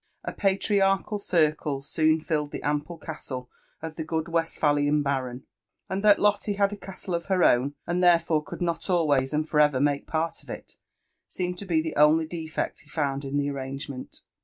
A patriarchal circle soon filled the ample castle of the good Westpha lian baron ; and that Lotte had a castle of her own, and therefore could not always and for ever make part of it, seemed to be the only defect he found in the arrangement.